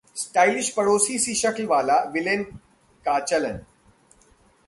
stylised पड़ोसी-सी शक्ल वाला villain का चलन